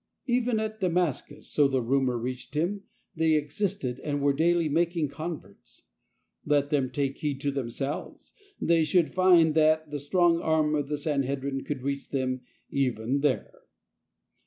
Even at Damas cus, so the rumour reached him, they existed, and were daily making converts. Let them take heed to themselves; they should find that the strong arm of the Sanhedrin could reach them even there.